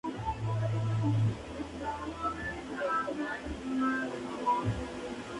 Abajo de este se encuentran las colonias Martín Carrera e Indios Verdes.